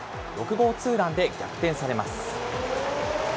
６号ツーランで逆転されます。